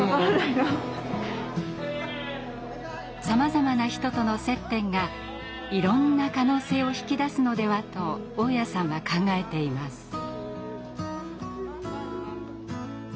さまざまな人との接点がいろんな可能性を引き出すのではと雄谷さんは考えています。